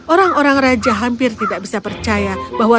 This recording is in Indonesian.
orang orang raja hampir tidak bisa percaya bahwa